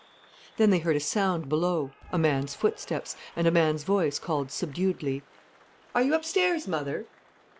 Then they heard a sound below, a man's footsteps, and a man's voice called subduedly: "Are you upstairs, mother?"